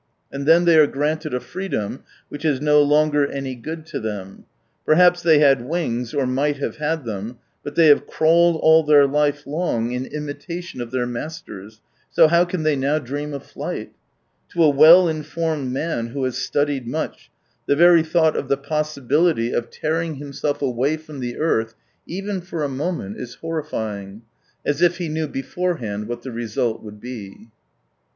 And then they are granted a freedom which is no longer any good to them. Perhaps they had wings, or might have had them, but they have crawled all their life long in imitation of their masters, so how can they now dream of flight f To a well informed man, who has studied much, the very thought of the possibility of tearing 35 himself away from the earth, even for a moment, is horrifying : as if he knew beforehand what the result would be.